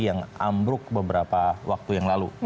yang ambruk beberapa waktu yang lalu